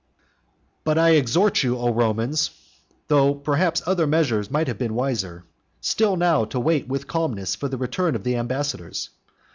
But I exhort you, O Romans, though perhaps other measures might have been wiser, still now to wait with calmness for the return of the ambassadors.